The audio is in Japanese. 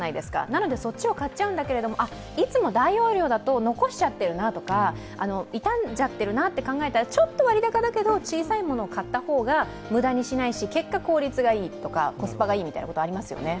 なのでそっちを買っちゃうんだけど、いつも大容量だと残しちゃっているなとか、傷んじゃっているなと考えたらちょっと割高だけど小さいものを買った方が無駄にしないし結果、効率がいいとか、コスパがいいことありますよね。